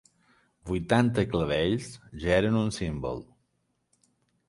Vuitanta clavells ja eren un símbol.